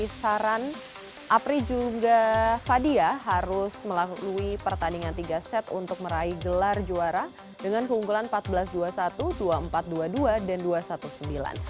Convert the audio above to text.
saran apri juga fadia harus melalui pertandingan tiga set untuk meraih gelar juara dengan keunggulan empat belas dua puluh satu dua puluh empat dua puluh dua dan dua ratus sembilan belas